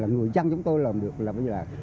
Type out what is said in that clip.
người dân giống tôi làm được là bây giờ